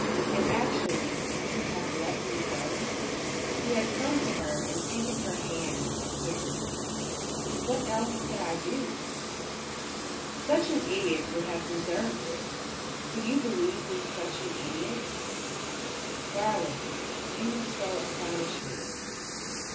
And, actually, you'd have let me go?" He had come to her and taken her hands in his. "What else could I do?" "Such an idiot would have deserved it? Could you believe me such an idiot? Darling, you so astonish me.